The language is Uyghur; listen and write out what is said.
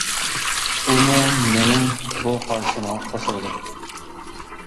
ئۇمۇ مېنىڭ بۇ قارىشىمغا قوشۇلدى.